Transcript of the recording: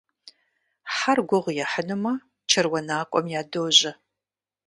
Хьэр гугъу ехьынумэ чэруанакӀуэм ядожьэ.